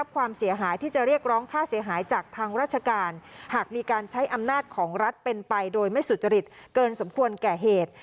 เกินสมควรแก่เหตุ